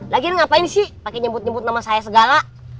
lagi ren ngapain sih pake nyebut nyebut nama saya segala